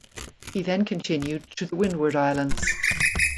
He then continued to the Windward Islands.